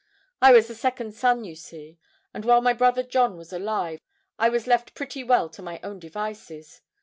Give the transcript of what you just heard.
I was the second son, you see, and while my brother John was alive I was left pretty well to my own devices.